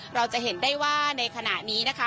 เราจะเห็นได้ว่าในขณะนี้นะคะ